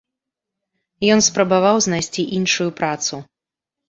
Ён спрабаваў знайсці іншую працу.